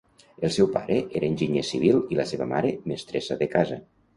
El seu pare era enginyer civil i la seva mare, mestressa de casa.